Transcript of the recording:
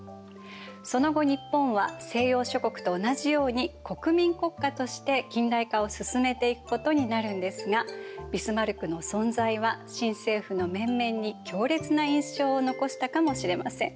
その後日本は西洋諸国と同じように国民国家として近代化を進めていくことになるんですがビスマルクの存在は新政府の面々に強烈な印象を残したかもしれません。